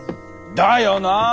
だよなァ！